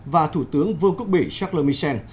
và thủ tướng vương quốc bỉ charles michel